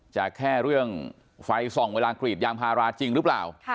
จะแค่เรื่องไฟส่องเวลากรีดยางพาราจริงหรือเปล่า